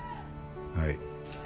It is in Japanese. はい。